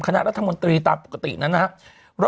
คณะรัฐมนตรีตามปกตินั้นนะครับ